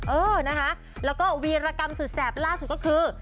เออนะคะแล้วก็วีรกรรมสุดแสบล่าสุดก็คือ